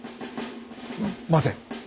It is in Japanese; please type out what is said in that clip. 待て。